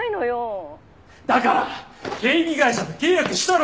だから警備会社と契約したろ！